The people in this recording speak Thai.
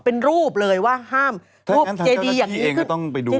เป็นรูปเลยว่าห้ามรูปเจดีอย่างนี้ขึ้น